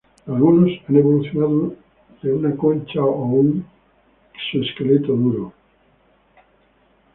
Algunos han evolucionado una concha o un exoesqueleto duro.